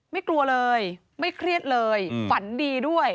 ไม่กลัวเลยไม่เครียดเลยฝันดีด้วย